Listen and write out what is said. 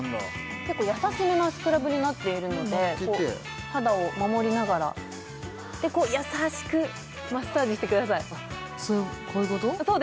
結構優しめなスクラブになっているのでのっけて肌を守りながらでこう優しくマッサージしてくださいこういうこと？